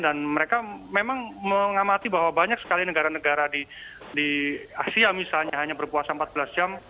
dan mereka memang mengamati bahwa banyak sekali negara negara di asia misalnya hanya berpuasa empat belas jam